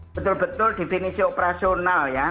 betul betul definisi operasional ya